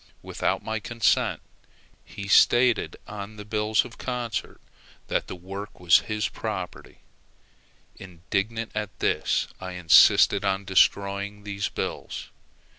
Without my consent, he stated on the bills of the concert that the work was his property. Indignant at this, I insisted on his destroying these bills.